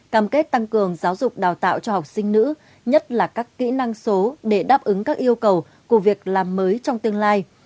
cam kết tăng cường giáo dục đào tạo cho học sinh nữ nhất là các kỹ năng số để đáp ứng các yêu cầu của việc làm mới trong tương lai